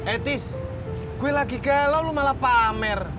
eh tis gue lagi galau lu malah pamer